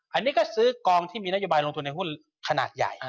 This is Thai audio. อันนี้ก็ซื้อกองที่มีนโยบายลงทุนในหุ้นขนาดใหญ่